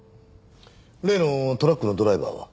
例のトラックのドライバーは？